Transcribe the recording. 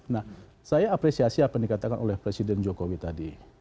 nah saya apresiasi apa yang dikatakan oleh presiden jokowi tadi